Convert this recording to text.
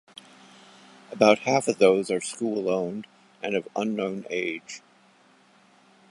About half of those are school-owned and of unknown age.